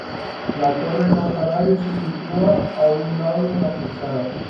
La torre-campanario se sitúa a un lado de la fachada.